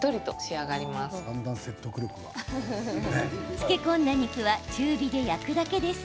漬け込んだ肉は中火で焼くだけです。